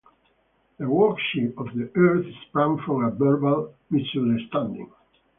The worship of the earth sprang from a verbal misunderstanding.